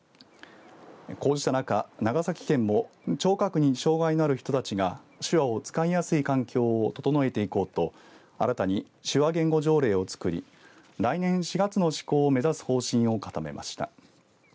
こうした中、長崎県も聴覚に障害のある人たちが手話を使いやすい環境を整えていこうとあらたに手話言語条例をつくり来年４月の施行を目指す方針を固めました。